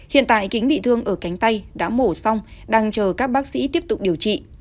hiện tại kính bị thương ở cánh tay đã mổ xong đang chờ các bác sĩ tiếp tục điều trị